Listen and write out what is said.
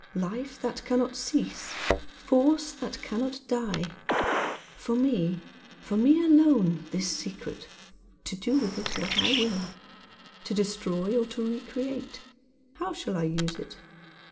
Life that cannot cease force that cannot die! For me for me alone this secret! to do with it what I will to destroy or to re create! How shall I use it?